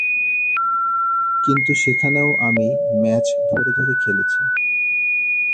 কিন্তু সেখানেও আমি ম্যাচ ধরে ধরে খেলেছি।